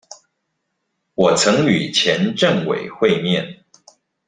我曾與前政委會面